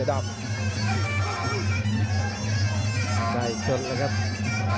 สวัสดิ์นุ่มสตึกชัยโลธสวัสดิ์